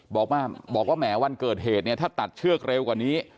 บอกว่าแหมวันเกิดเหตุเนี่ยถ้าตัดเชือกเร็วกว่านี้